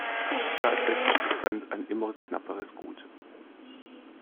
Tatsächlich wird Sand ein immer knapperes Gut.